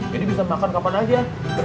jadi bisa makan kapan aja